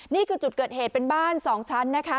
นี่คือจุดเกิดเหตุเป็นบ้าน๒ชั้นนะคะ